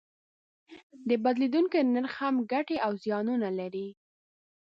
د بدلیدونکي نرخ هم ګټې او زیانونه لري.